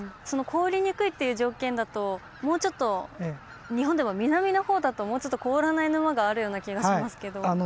その凍りにくいっていう条件だともうちょっと日本でも南の方だともうちょっと凍らない沼があるような気がしますけど。